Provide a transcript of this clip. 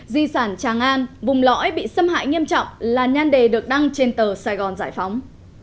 di sản tràng an vùng lõi bị xâm hại nghiêm trọng là nhan đề được đăng trên tờ sài gòn giải phóng